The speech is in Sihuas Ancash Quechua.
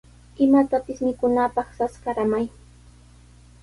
Imatapis mikunaapaq sas qaramay.